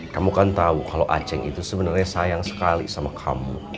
kamu kan tahu kalau aceh itu sebenarnya sayang sekali sama kamu